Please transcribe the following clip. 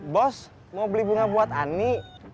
bos mau beli bunga buat ani